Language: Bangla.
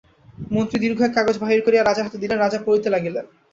মন্ত্রী দীর্ঘ এক কাগজ বাহির করিয়া রাজার হাতে দিলেন, রাজা পড়িতে লাগিলেন।